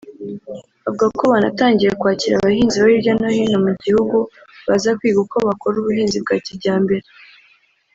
Avuga ko banatangiye kwakira abahinzi bo hirya no hino mu gihugu baza kwiga uko bakora ubuhinzi bwa kijyambere